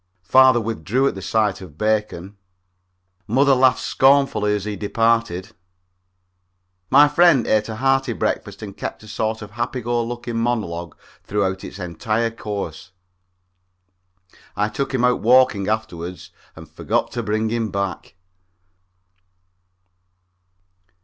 Father withdrew at the sight of bacon. Mother laughed scornfully as he departed. My friend ate a hearty breakfast and kept a sort of a happy go lucky monologue throughout its entire course. I took him out walking afterward and forgot to bring him back.